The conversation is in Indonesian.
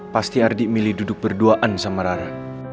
pasti ardi milih duduk berduaan sama rara